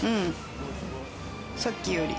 さっきより。